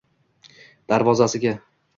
darvozasiga